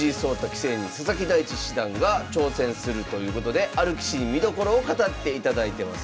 棋聖に佐々木大地七段が挑戦するということである棋士に見どころを語っていただいてます。